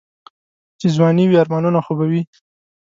چې ځواني وي آرمانونه خو به وي.